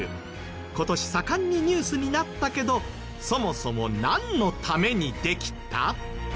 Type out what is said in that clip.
今年盛んにニュースになったけどそもそもなんのためにできた？